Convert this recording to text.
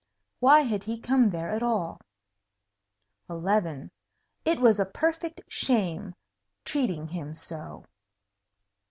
Why had he come there at all? 11. It was a perfect shame, treating him so.